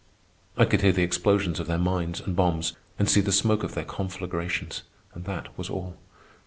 I could hear the explosions of their mines and bombs, and see the smoke of their conflagrations, and that was all.